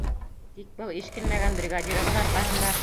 Тик был эшкинмәгән бригадирығыҙ арҡаһында...